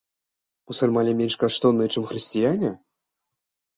Мусульмане менш каштоўныя, чым хрысціяне?